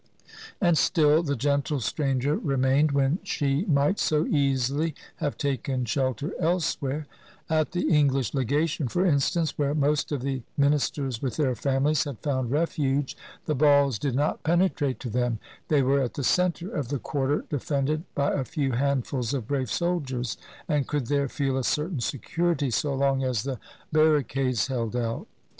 And still the gentle stranger remained, when she might so easily have taken shelter elsewhere, — at the English Legation, for instance, where most of the minis ters with their families had found refuge; the balls did not penetrate to them; they were at the center of the quarter defended by a few handfuls of brave soldiers, and could there feel a certain security so long as the bar ricades held out.